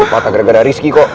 patah gara gara rizky kok